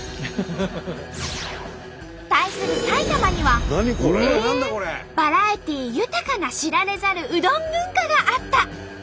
対する埼玉にはバラエティー豊かな知られざるうどん文化があった。